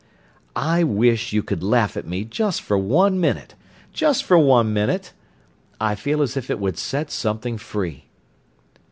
"I wish you could laugh at me just for one minute—just for one minute. I feel as if it would set something free."